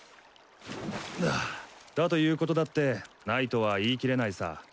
だということだってないとは言いきれないさ。